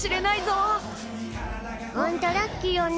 ホントラッキーよね